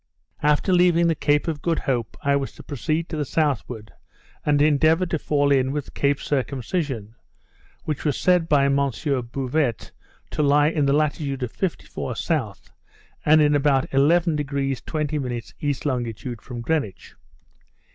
After leaving the Cape of Good Hope, I was to proceed to the southward, and endeavour to fall in with Cape Circumcision, which was said by Monsieur Bouvet to lie in the latitude of 54° S. and in about 11° 20' E. longitude from Greenwich.